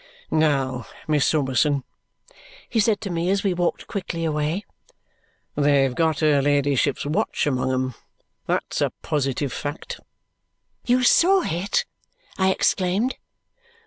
"Now, Miss Summerson," he said to me as we walked quickly away. "They've got her ladyship's watch among 'em. That's a positive fact." "You saw it?" I exclaimed.